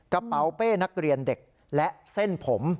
กระเป๋าเป้นักเรียนเด็กและเส้นผม